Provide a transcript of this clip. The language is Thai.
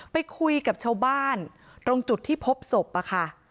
ไปคุยกับชาวบ้านตรงจุดที่พบศพอะค่ะ